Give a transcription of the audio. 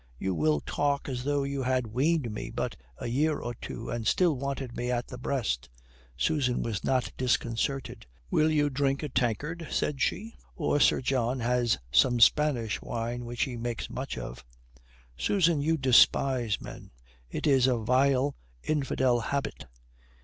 You will talk as though you had weaned me but a year or two, and still wanted me at the breast." Susan was not disconcerted. "Will you drink a tankard?" said she. "Or Sir John has some Spanish wine which he makes much of." "Susan, you despise men. It is a vile infidel habit."